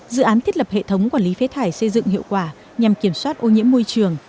dự án thiết lập hệ thống quản lý phế thải xây dựng hiệu quả nhằm kiểm soát ô nhiễm môi trường